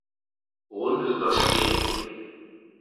Runde überstehen.